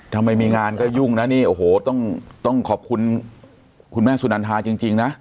ทำไมมีงานก็ยุ่งนะต้องขอบคุณคุณแม่สุดอันทายจริงนะ